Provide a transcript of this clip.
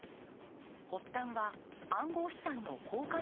発端は、暗号資産の交換